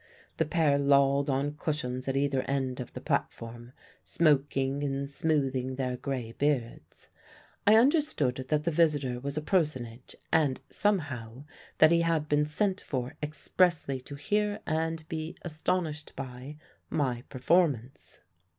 The pair lolled on cushions at either end of the platform, smoking and smoothing their grey beards. I understood that the visitor was a personage and (somehow) that he had been sent for expressly to hear and be astonished by my performance.